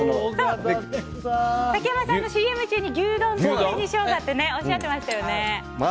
竹山さんがＣＭ中に牛丼と紅ショウガっておっしゃってましたよね。